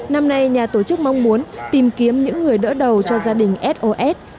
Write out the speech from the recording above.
năm nay nhà tổ chức mong muốn tìm kiếm những người đỡ đầu cho gia đình sos